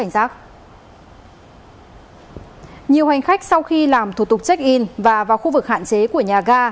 nhiều hành khách sau khi làm thủ tục check in và vào khu vực hạn chế của nhà ga